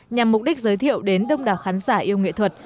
nhằm mục đích giới thiệu đến đông đảo khán giả yêu nghệ thuật